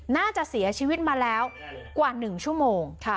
น่าจะเสียชีวิตมาแล้วกว่า๑ชั่วโมง